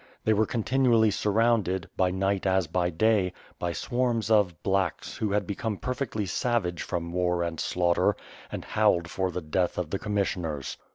They were continually surrounded, by night as by day, by swarms of ^T)lacks/' who had become per fectly savage from war and slaughter, and howled for the death of the commissioners.